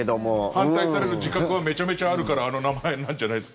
反対される自覚はめちゃめちゃあるからあの名前なんじゃないですか。